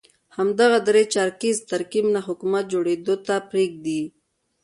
همدغه درې چارکیز ترکیب نه حکومت جوړېدو ته پرېږدي.